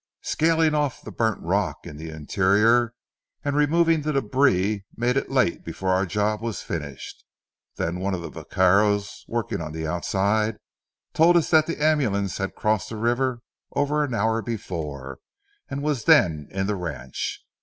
Scaling off the burnt rock in the interior and removing the debris made it late before our job was finished; then one of the vaqueros working on the outside told us that the ambulance had crossed the river over an hour before, and was then in the ranch.